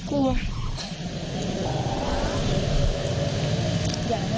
ต่อสู้ให้มือให้เรียน